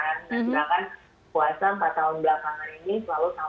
nah sedangkan puasa empat tahun belakangan ini selalu sama